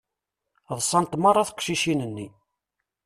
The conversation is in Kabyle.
Ḍsant meṛṛa teqcicin-nni.